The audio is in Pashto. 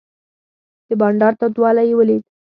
د بانډار تودوالی یې ولید.